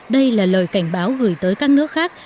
đây là lời cảnh báo gửi tới các nước khác